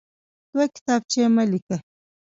دوه کتابچې مه لیکئ.